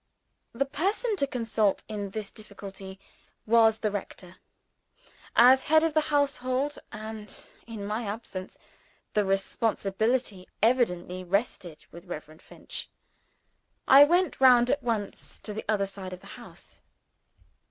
The person to consult in this difficulty was the rector. As head of the household, and in my absence, the responsibility evidently rested with Reverend Finch. I went round at once to the other side of the house.